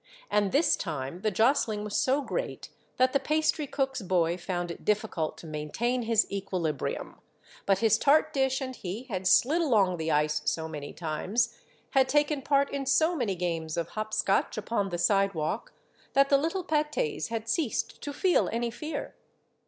And this time the jost i8o Monday Tales, ling was so great that the pastry cook's boy found it difficult to maintain his equilibrium ; but his tart dish and he had slid along the ice so many times, had taken part in so many games of hop scotch upon the sidewalk, that the little pates had ceased to feel any fear.